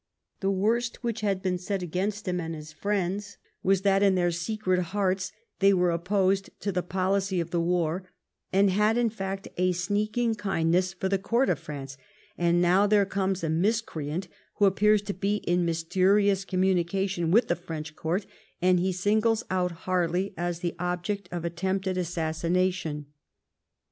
The worst which had been said against him and his friends was that, in their secret hearts, they were opposed to the 836 THE TRIUMPH OF THE TORIES policy of the war, and had, in fact, a sneaking kind ness for the court of France, and now here comes a miscreant who appears to be in mysterious communi cation with the French court, and he singles out Har ley as the object of attempted assassination.